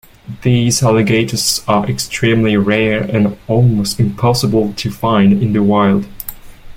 These alligators are extremely rare and almost impossible to find in the wild.